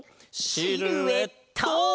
シルエット！